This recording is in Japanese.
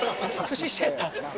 年下やった。